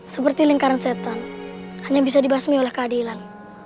seperti lingkaran setan hanya bisa dibasmi oleh keadilan